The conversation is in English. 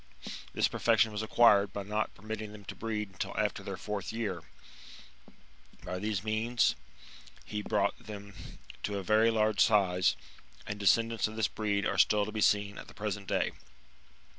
^ This perfection was acquired by not permitting them to breed until after their fourth year. By these means he brought them to a very large size, and de scendants of this breed are still to be seen at the present day.